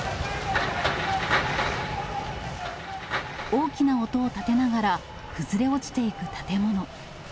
大きな音を立てながら、崩れ落ちていく建物。